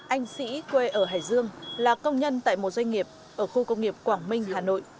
anh sĩ quê ở hải dương là công nhân tại một doanh nghiệp ở khu công nghiệp quảng minh hà nội